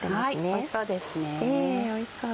おいしそうです。